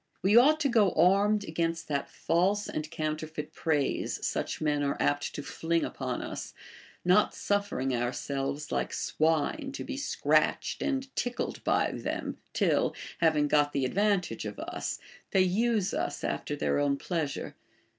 We ought to go armed against that false and counterfeit praise such men are apt to fling upon us, not suff"ering ourselves like swine to be scratched and tickled by them, till, having got the ad vantage of us, they use us after their own pleasure.